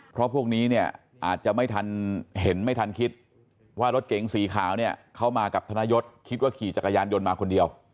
เพราะพวกนี้เนี่ยอาจจะไม่ทันเห็นไม่ทันคิดว่ารถเก๋งสีขาวเนี่ยเข้ามากับธนยศคิดว่าขี่จักรยานยนต์มาคนเดียว